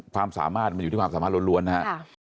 ความสามารถมันอยู่ที่ความสามารถล้วนนะครับ